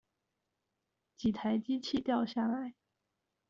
幾台機器掉下來